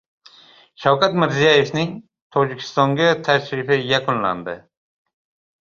Shavkat Mirziyoyevning Tojikistonga tashrifi yakunlandi